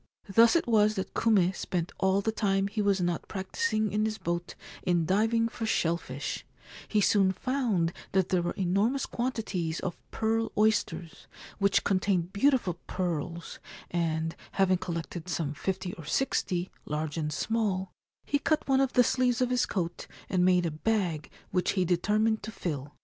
Thus it was that Kume spent all the time he was not practising in his boat in diving for shell fish ; he soon found that there were enormous quantities of pearl oysters, which contained beautiful pearls ; and, having collected some fifty or sixty, large and small, he cut one of the sleeves of his coat and made a bag which he determined to fill.